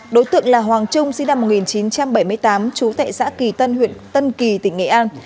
đối tượng là hoàng trung sinh năm một nghìn chín trăm bảy mươi tám trú tại xã kỳ tân huyện tân kỳ tỉnh nghệ an